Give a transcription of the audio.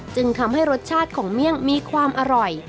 จึงทำให้รสชาติของเมี่ยงมีความอร่อย